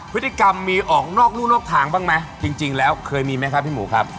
พฤติกรรมมีออกนอกรู่นอกทางบ้างไหมจริงแล้วเคยมีไหมครับพี่หมูครับ